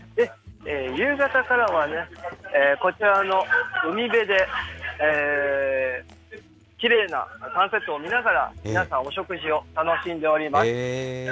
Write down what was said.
夕方からはね、こちらの海辺で、きれいなサンセットを見ながら、皆さんお食事を楽しんでおります。